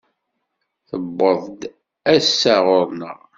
Tuweḍ-d ass-a ɣur-neɣ.